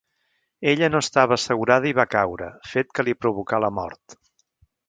Ella no estava assegurada i va caure, fet que li provocà la mort.